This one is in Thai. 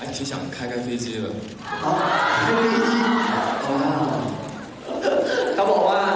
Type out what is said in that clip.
คุณต้องทำอะไรในผม